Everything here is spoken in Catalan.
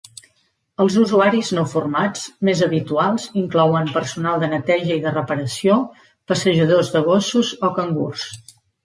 Els usuaris no formats més habituals inclouen personal de neteja i de reparació, passejadors de gossos o cangurs.